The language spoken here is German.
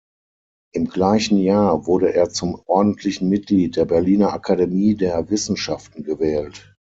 Im gleichen Jahr wurde er zum ordentlichen Mitglied der Berliner Akademie der Wissenschaften gewählt.